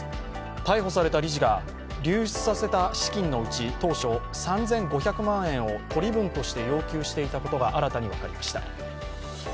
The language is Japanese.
逮捕された理事が流出させた資金のうち当初３５００万円を取り分として要求していたことが新たに分かりました。